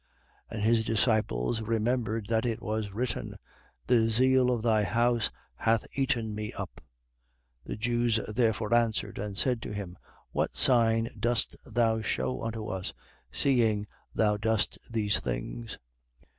2:17. And his disciples remembered, that it was written: The zeal of thy house hath eaten me up. 2:18. The Jews, therefore, answered, and said to him: What sign dost thou shew unto us, seeing thou dost these things?